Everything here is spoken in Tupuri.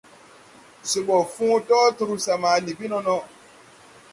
Se ɓɔ fõõ dɔɔ trusa ma Libi nono.